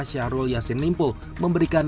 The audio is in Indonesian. syahrul yassin limpo memberikan